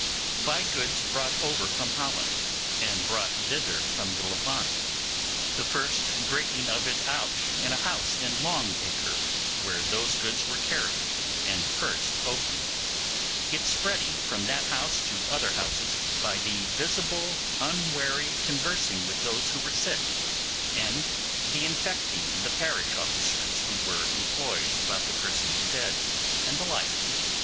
by goods brought over from Holland, and brought thither from the Levant; the first breaking of it out in a house in Long Acre where those goods were carried and first opened; its spreading from that house to other houses by the visible unwary conversing with those who were sick; and the infecting the parish officers who were employed about the persons dead, and the like.